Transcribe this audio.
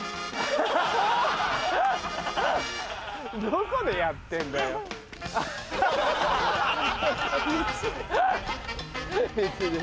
どこでやってんだよ。道。